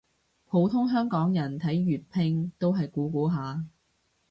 普通香港人睇粵拼都係估估下